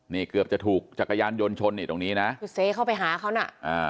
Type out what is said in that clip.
นี่เกือบจะถูกจักรยานยนต์ชนนี่ตรงนี้นะคือเซเข้าไปหาเขาน่ะอ่า